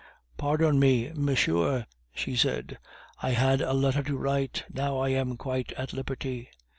"Pardon me, monsieur," she said; "I had a letter to write. Now I am quite at liberty."